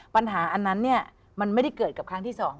ปัญหาอันนั้นเนี่ยมันไม่ได้เกิดกับครั้งที่๒